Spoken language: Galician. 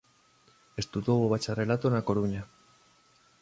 Estudou o bacharelato na Coruña.